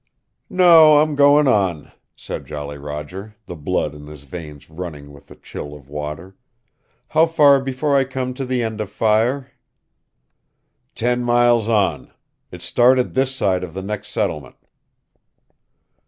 "No, I'm going on," said Jolly Roger, the blood in his veins running with the chill of water. "How far before I come to the end of fire?" "Ten miles on. It started this side of the next settlement."